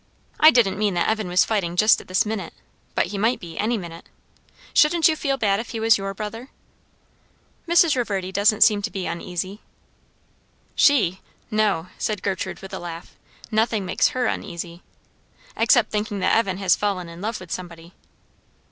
I didn't mean that Evan was fighting just at this minute; but he might be, any minute. Shouldn't you feel bad if he was your brother?" "Mrs. Reverdy doesn't seem to be uneasy." "She? no," said Gertrude with a laugh; "nothing makes her uneasy. Except thinking that Evan has fallen in love with somebody."